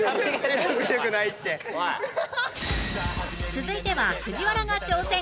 続いては藤原が挑戦